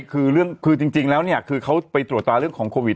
คือจริงแล้วเนี่ยคือเขาไปตรวจตาเรื่องของโควิด